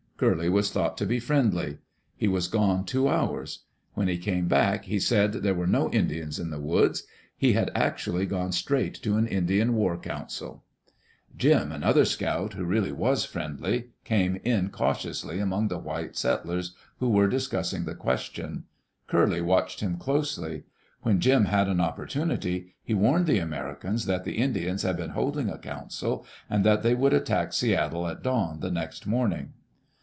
Curley was thought to be friendly. He was gone two hours. When he came back he said there were no Indians in the woods. He had actually gone straight to an Indian war council. Jim, another scout, who really was friendly, came in cautiously among the white settlers who were discussing the question. Curley watched him closely. When Jim had an opportunity, he warned the Americans that the Indians had been holding a council, and that they would attack Seattle at dawn the next morning.